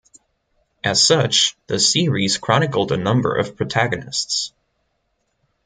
As such, the series chronicled a number of protagonists.